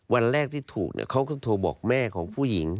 วันแรกที่ถูกเขาก็โทรบอกแม่ของผู้หญิง